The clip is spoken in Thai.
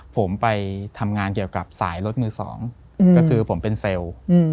ผมไปทำงานเกี่ยวกับสายรถมือสองก็คือผมเป็นเซลล์